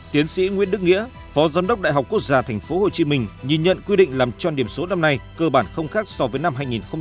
tiến sĩ nguyễn đức nghĩa phó giám đốc đại học quốc gia tp hcm nhìn nhận quy định làm tròn điểm số năm nay cơ bản không khác so với năm hai nghìn một mươi tám